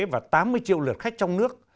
và tám mươi triệu lượt khách trong nước